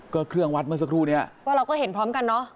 ก็เครื่องวัดเมื่อสักครู่นี้ก็เราก็เห็นพร้อมกันเนอะ